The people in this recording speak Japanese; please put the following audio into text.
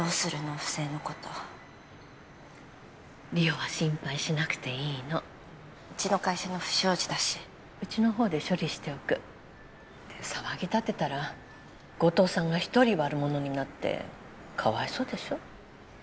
不正のこと梨央は心配しなくていいのうちの会社の不祥事だしうちの方で処理しておく騒ぎ立てたら後藤さんが一人悪者になってかわいそうでしょ？